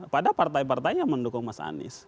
pada partai partai yang mendukung mas anies